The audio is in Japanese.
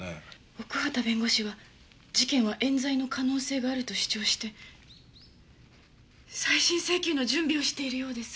奥畑弁護士は事件は冤罪の可能性があると主張して再審請求の準備をしているようです。